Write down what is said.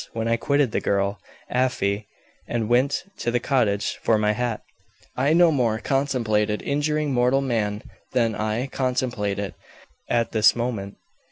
When I quitted the girl, Afy, and went to the cottage for my hat, I no more contemplated injuring mortal man than I contemplate it at this moment.